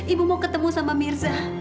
ibu mau ketemu sama mirza